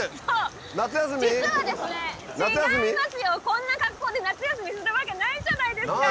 こんな格好で夏休みするわけないじゃないですか！